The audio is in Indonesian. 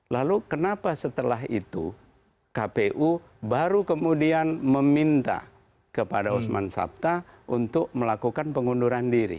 lalu kenapa setelah itu kpu baru kemudian meminta kepada usman sabta untuk melakukan pengunduran diri